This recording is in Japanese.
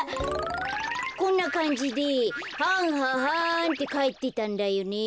こんなかんじではんははんってかえってたんだよね。